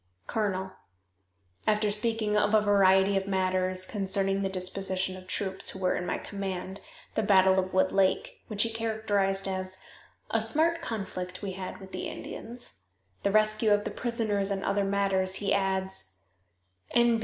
"Colonel: [After speaking of a variety of matters concerning the disposition of troops who were in my command, the battle of Wood Lake (which he characterized as "A smart conflict we had with the Indians"), the rescue of the prisoners and other matters, he adds:] "N.